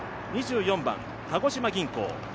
２４番、鹿児島銀行。